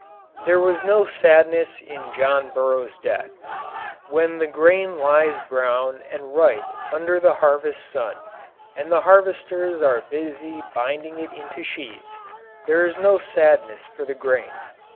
There was no sadness in John Burroughs's death. When the grain lies brown and ripe under the harvest sun, and the harvesters are busy binding it into sheaves, there is no sadness for the grain.